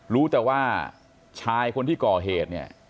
รู้แต่ว่าชายคนที่ก่อเหตุเนี่ย